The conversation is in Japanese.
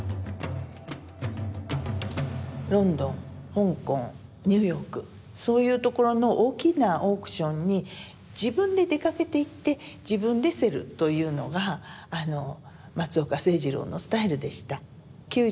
ロンドン香港ニューヨークそういう所の大きなオークションに自分で出かけていって自分で競るというのがあの松岡清次郎のスタイルでした。